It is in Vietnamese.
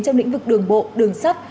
trong lĩnh vực đường bộ đường sắt